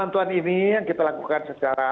bantuan ini yang kita lakukan secara